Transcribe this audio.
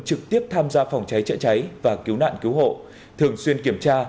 trực tiếp tham gia phòng cháy chữa cháy và cứu nạn cứu hộ thường xuyên kiểm tra